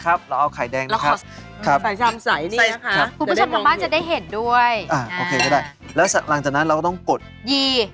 คุณผู้ชมทำบ้านจะได้เห็นด้วยอ่าโอเคก็ได้แล้วหลังจากนั้นเราก็ต้องกดยี